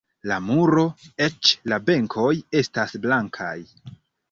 La muro, eĉ la benkoj estas blankaj.